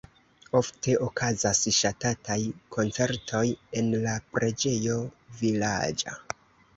Ofte okazas ŝatataj koncertoj en la preĝejo vilaĝa.